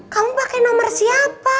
kamu pakai nomor siapa